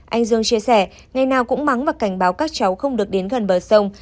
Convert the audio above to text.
anh dương chia sẻ ngày nào cũng mắng và cảnh báo các cháu không được đến gần bờ sông